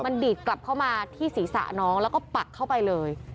มันดีดกลับเข้ามาที่ศีรษะน้องแล้วก็ปักเข้าไปเลย